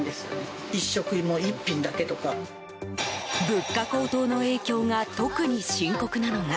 物価高騰の影響が特に深刻なのが